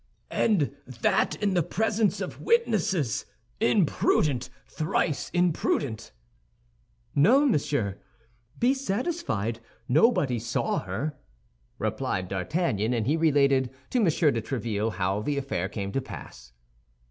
"And that in the presence of witnesses! Imprudent, thrice imprudent!" "No, monsieur, be satisfied; nobody saw her," replied D'Artagnan, and he related to M. de Tréville how the affair came to pass.